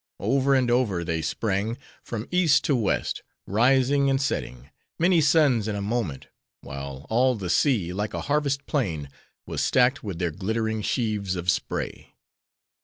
Over and over they sprang: from east to west: rising and setting: many suns in a moment; while all the sea, like a harvest plain, was stacked with their glittering sheaves of spray.